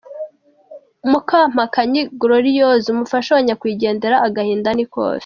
Mukampakanyi Gloriose umufasha wa Nyakwigendera agahinda ni kose.